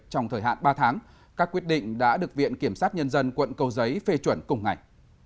trong thời hạn ba tháng các quyết định đã được viện kiểm sát nhân dân quận cầu giấy phê chuẩn cùng ngày